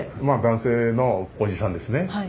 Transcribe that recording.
まあ男性のおじさんですね。